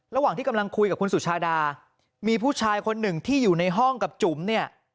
ระหว่างที่กำลังคุยกับคุณสุชาดามีผู้ชายคนหนึ่งที่อยู่ในห้องกับจุ๋มเนี่ย